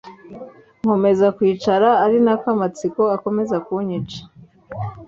nkomeza kwicara ari nako amatsiko akomeza kunyica,